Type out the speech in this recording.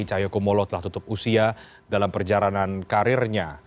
cahyokumolo telah tutup usia dalam perjalanan karirnya